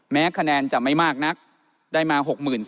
แม้คะแนนจะไม่มากนักได้มา๖๔๐๐